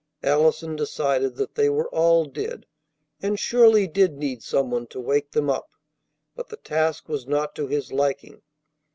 Allison decided that they were all dead, and surely did need some one to wake them up; but the task was not to his liking.